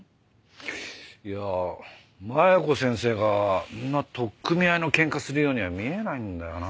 いや麻弥子先生がそんな取っ組み合いの喧嘩するようには見えないんだよな。